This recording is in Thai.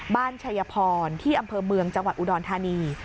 ชัยพรที่อำเภอเมืองจังหวัดอุดรธานี